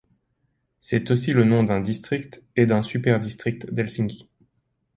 C'est aussi le nom d'un district et d'un superdistrict d'Helsinki.